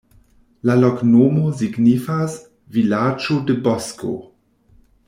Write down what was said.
La loknomo signifas: vilaĝo de bosko.